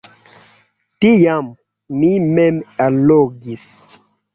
Tiam mi mem allogis.